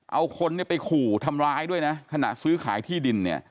เอาคนไปขู่ทำร้ายด้วยนะขณะซื้อขายที่ดิน